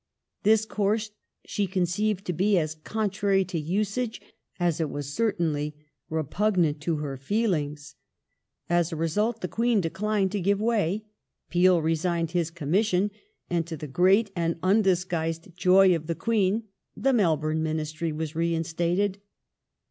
This course she conceived to be as " contrary to usage " as it was certainly " repugnant to her feelings ". As a result, the Queen declined to give way. Peel resigned his commission, and to the great and undisguised joy of the Queen the Melbourne Ministry was reinstated.